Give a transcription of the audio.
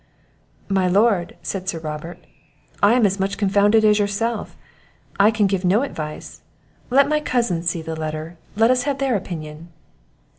"My Lord," said Sir Robert, "I am as much confounded as yourself I can give no advice let my cousins see the letter let us have their opinion."